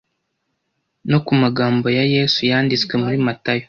no ku magambo ya Yesu yanditswe muri Matayo